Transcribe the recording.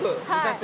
はい。